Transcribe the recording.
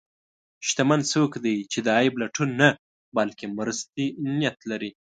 شتمن څوک دی چې د عیب لټون نه، بلکې د مرستې نیت لري.